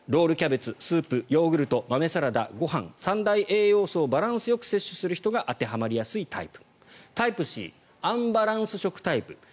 ロールキャベツ、スープヨーグルト豆サラダ、ご飯三大栄養素をバランスよく摂取する人が当てはまりやすいタイプ。